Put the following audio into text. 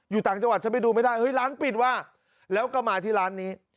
ต่างจังหวัดฉันไปดูไม่ได้เฮ้ยร้านปิดว่ะแล้วก็มาที่ร้านนี้